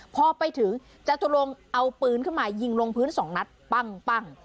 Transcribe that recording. พอไปถึงจตุลงเอาปืนขึ้นมายิงลงพื้นสองนัดปั้ง